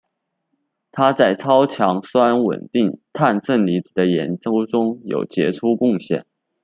他在超强酸稳定碳正离子的研究中有杰出贡献。